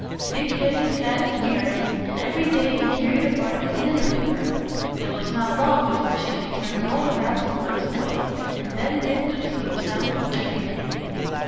Dick hid his cat in the garret, and every day he carried a part of his dinner to her. It was not long before she had driven all the rats and mice away; and then Dick could sleep soundly every night.